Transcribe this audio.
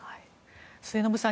末延さん